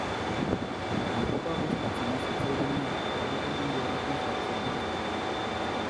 Eta kanpokoa gustatzen ez zitzaidanean, barruko mundu horretan sartzen nintzen.